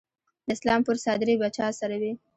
د اسلام پور څادرې به چا سره وي؟